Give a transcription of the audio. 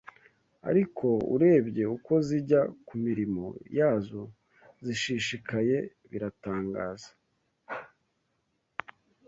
Ariko urebye uko zijya ku mirimo yazo zishishikaye biratangaza!